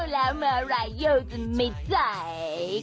แล้วเมื่อไรโยจะไม่จ่าย